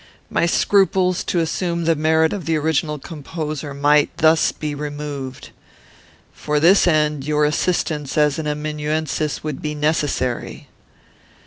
My scruples to assume the merit of the original composer might thus be removed. For this end, your assistance as an amanuensis would be necessary.